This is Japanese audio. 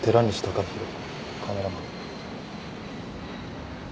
カメラマン。